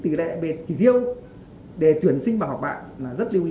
tử lệnh kỳ thiêu để tuyển sinh bằng học bạ là rất lưu ý